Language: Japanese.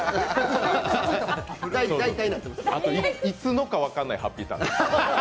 あと、いつのか分からないハッピーターン。